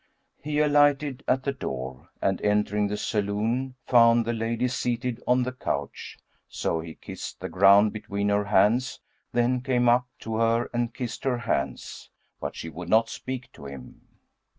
He alighted at the door and entering the saloon found the lady seated on the couch; so he kissed the ground between her hands then came up to her and kissed her hands; but she would not speak to him.